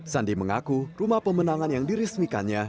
sandi mengaku rumah pemenangan yang diresmikannya